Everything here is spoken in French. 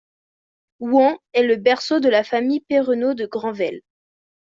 Ouhans est le berceau de la famille Perrenot de Granvelle.